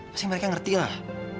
pasti mereka ngerti lah